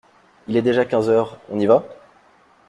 Il est déjà quinze heures, on y va?